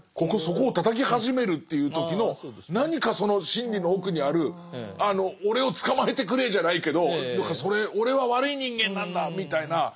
そこをたたき始めるっていう時の何かその心理の奥にある俺を捕まえてくれじゃないけど俺は悪い人間なんだみたいな。